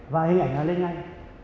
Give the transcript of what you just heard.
và hình ảnh nó lên ngay